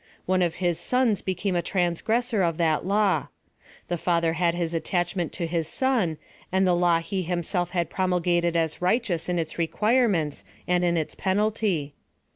One of his sons became a transgressor of that law. The fathei had his attachment to his son, and the law he him self had promulgated as righteous in its require ments and in its penalty.